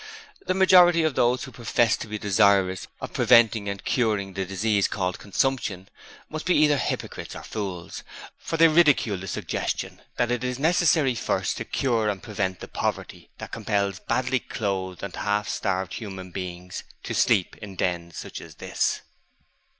The majority of those who profess to be desirous of preventing and curing the disease called consumption must be either hypocrites or fools, for they ridicule the suggestion that it is necessary first to cure and prevent the poverty that compels badly clothed and half starved human beings to sleep in such dens as this.